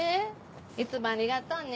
いつもありがとうね。